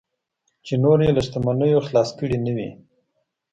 چې نور یې له شتمنیو خلاص کړي نه وي.